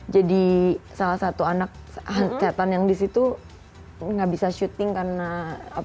jadi salah satu anak setan yang di situ nggak bisa syuting karena